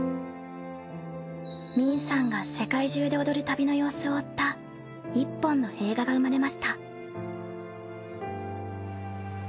泯さんが世界中で踊る旅の様子を追った１本の映画が生まれました